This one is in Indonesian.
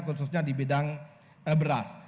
khususnya di bidang beras